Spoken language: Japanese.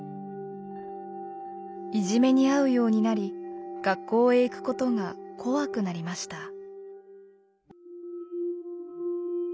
いじめに遭うようになり学校へ行くことが怖くなりました。